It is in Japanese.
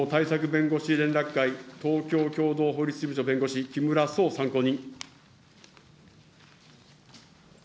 弁護士連絡会、東京共同法律事務所弁護士、木村壮参考人。